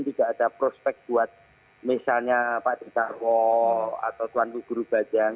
tidak ada prospek buat misalnya pak dekarwo atau tuan guru bajang